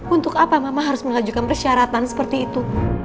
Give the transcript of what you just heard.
untuk apa mama harus mengajukan persyaratan seperti itu